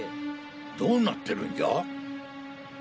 どうなってるんじゃ？